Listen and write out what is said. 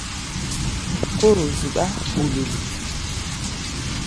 Kóro zuɗá ɓululu.